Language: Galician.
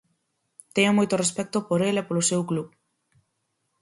Teño moito respecto por el e polo seu club.